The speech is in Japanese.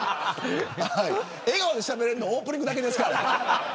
笑顔でしゃべれるのはオープニングだけですからね。